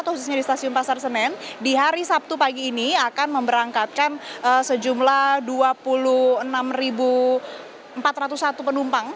khususnya di stasiun pasar senen di hari sabtu pagi ini akan memberangkatkan sejumlah dua puluh enam empat ratus satu penumpang